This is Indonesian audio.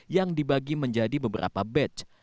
yang dibagi menjadi beberapa batch